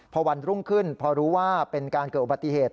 พอวันรุ่งขึ้นพอรู้ว่าเป็นการเกิดอุบัติเหตุ